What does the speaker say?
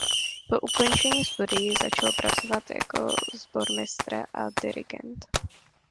Po ukončení studií začal pracovat jako sbormistr a dirigent.